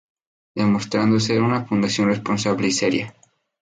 Demostrando ser una fundación responsable y seria.